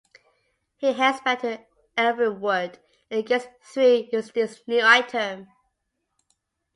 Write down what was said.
He heads back to Elven Wood, and gets through using his new item.